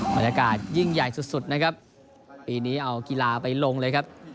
บรรยากาศยิ่งใหญ่สุดนะครับปีนี้เอากีฬาไปลงเลยครับ